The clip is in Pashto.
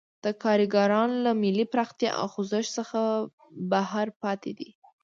دا کارګران له ملي پراختیا او خوځښت څخه بهر پاتې دي.